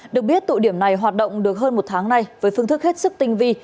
được biết tụ điểm này hoạt động được hơn một tháng nay với phương thức hết sức tinh vi